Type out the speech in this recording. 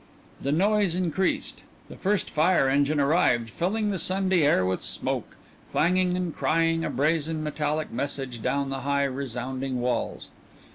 The noise increased. The first fire engine arrived, filling the Sunday air with smoke, clanging and crying a brazen, metallic message down the high, resounding walls.